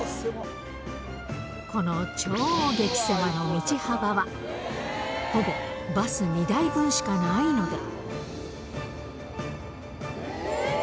この超激せまの道幅は、ほぼバス２台分しかないので。